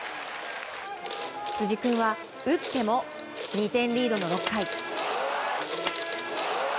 辻君は、打っても２点リードの６回。